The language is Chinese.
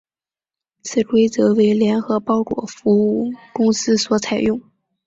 此规则为联合包裹服务公司所采用。